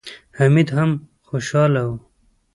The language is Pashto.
حميد هم خوشاله و.